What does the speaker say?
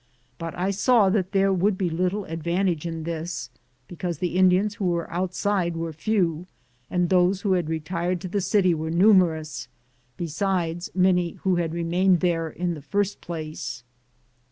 But I saw that there would be little advantage in this, because the Indians who were outside were few, and those who had retired to the city were numerous, be sides many who had remained there in the first place.